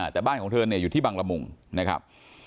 แต่บ้านของเธอเนี่ยอยู่ที่บังละมุงนะครับ